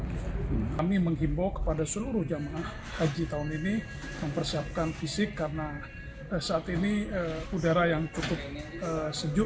kami menghimbau kepada seluruh jemaah haji tahun ini mempersiapkan fisik karena saat ini udara yang cukup sejuk